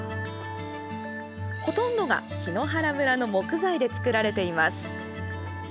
ほとんどが檜原村の木材で作られています。